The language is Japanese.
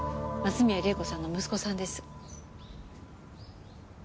松宮玲子さんの息子さんです。